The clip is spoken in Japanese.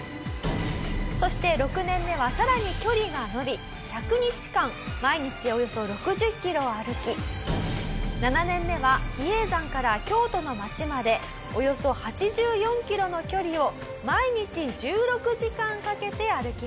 そして６年目はさらに距離が伸び１００日間毎日およそ６０キロを歩き７年目は比叡山から京都の町までおよそ８４キロの距離を毎日１６時間かけて歩きます。